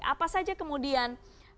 apa saja kemudian